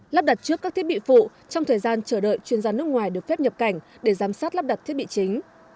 lắp đặt trước các thiết bị phụ trong thời gian chờ đợi chuyên gia nước ngoài được phép nhập cảnh để giám sát lắp đặt thiết bị chính